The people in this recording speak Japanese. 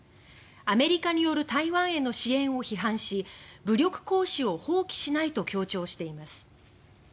アメリカによる台湾への支援を批判し武力行使を放棄しないと強調しています。